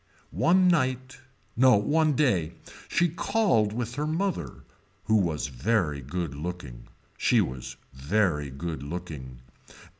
One night, no one day she called with her mother. Who was very good looking. She was very good looking.